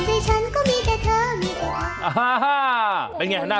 อะไรขนาดนั้น